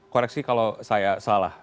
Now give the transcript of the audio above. koreksi kalau saya salah